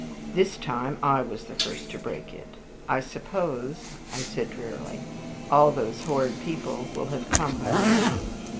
This time I was the first to break it. "I suppose," I said, drearily, "all those horrid people will have come by now."